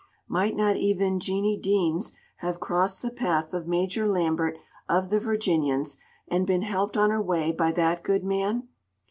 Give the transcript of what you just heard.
Might not even Jeanie Deans have crossed the path of Major Lambert of the "Virginians," and been helped on her way by that good man?